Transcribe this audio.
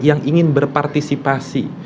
yang ingin berpartisipasi